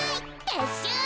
てっしゅう。